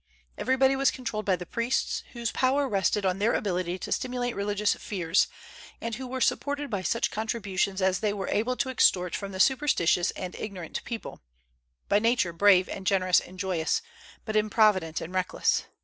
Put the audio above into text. Everybody was controlled by the priests, whose power rested on their ability to stimulate religious fears, and who were supported by such contributions as they were able to extort from the superstitious and ignorant people, by nature brave and generous and joyous, but improvident and reckless.